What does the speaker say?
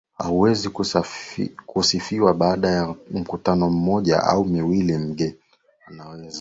hauwezi kusifiwa Baada ya mkutano mmoja au miwili mgeni anaweza